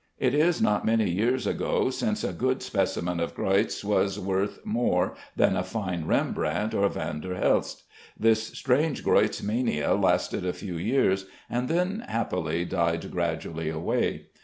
It is not many years ago since a good specimen of Greuze was worth more than a fine Rembrandt or Van der Helst. This strange Greuze mania lasted a few years, and then happily died gradually away.